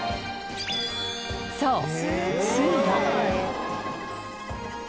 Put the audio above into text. そう水路。